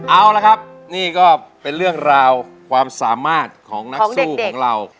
เอาละครับนี่ก็เป็นเรื่องราวความสามารถของนักสู้ของเรา